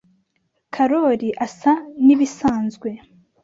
Karoli asa nibisanzwe.